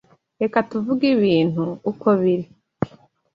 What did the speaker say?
Reka tuvuge ibintu uko biri.